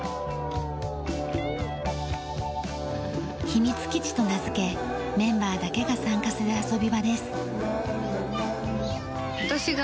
秘密基地と名付けメンバーだけが参加する遊び場です。